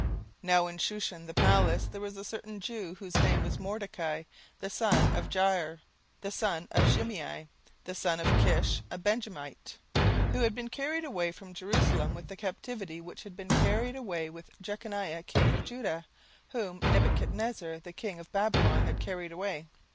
17:002:005 Now in Shushan the palace there was a certain Jew, whose name was Mordecai, the son of Jair, the son of Shimei, the son of Kish, a Benjamite; 17:002:006 Who had been carried away from Jerusalem with the captivity which had been carried away with Jeconiah king of Judah, whom Nebuchadnezzar the king of Babylon had carried away.